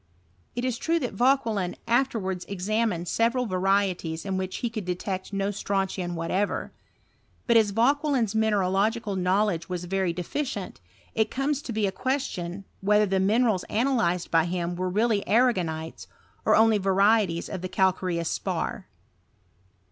It is true that Vauquehna fterwards examined several varieties in which he could detect no strontian whatever; but as Vauquelin's mine nlogical knowledge was very deficient, it comes to lie a question, whether the minerals analyzed by him "were really arragonites, or only varieties of calcaie <nui spar.